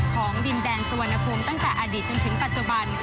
ของดินแดนสุวรรณภูมิตั้งแต่อดีตจนถึงปัจจุบัน